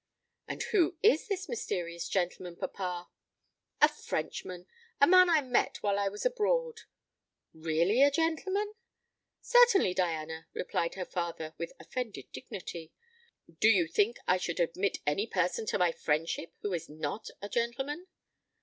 "And who is this mysterious gentleman, papa?" "A Frenchman; a man I met while I was abroad." "Really a gentleman?" "Certainly, Diana," replied her father, with offended dignity. "Do you think I should admit any person to my friendship who is not a gentleman?